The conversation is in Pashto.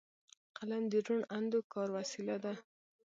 قلم د روڼ اندو کار وسیله ده